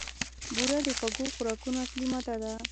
بوره د خوږو خوراکونو اصلي ماده ده.